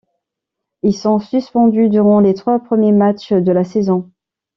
Ils sont suspendus durant les trois premiers matchs de la saison.